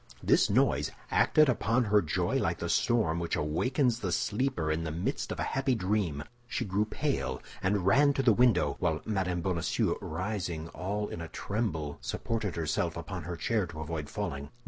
This noise acted upon her joy like the storm which awakens the sleeper in the midst of a happy dream; she grew pale and ran to the window, while Mme. Bonacieux, rising all in a tremble, supported herself upon her chair to avoid falling.